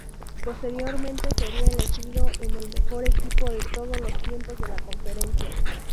Posteriormente sería elegido en el mejor equipo de todos los tiempos de la conferencia.